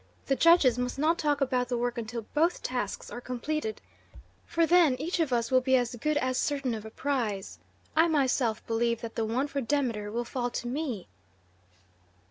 The judges must not talk about the work until both tasks are completed, for then each of us will be as good as certain of a prize. I myself believe that the one for Demeter will fall to me."